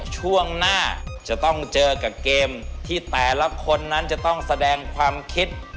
ช่วงหน้าจะต้องเจอกับเกมที่แต่ละคนนั้นจะต้องแสดงความคิด